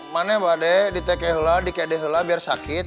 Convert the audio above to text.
mana mbah deh ditekehullah dikedehullah biar sakit